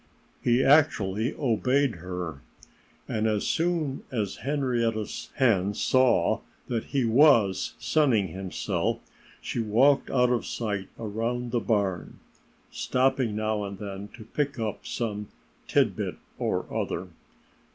He actually obeyed her. And as soon as Henrietta Hen saw that he was sunning himself she walked out of sight around the barn, stopping now and then to pick up some tidbit or other.